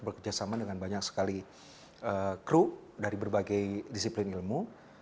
bekerjasama dengan banyak sekali kru dari berbagai disiplin ilmu